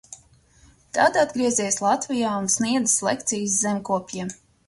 Tad atgriezies Latvijā un sniedzis lekcijas zemkopjiem.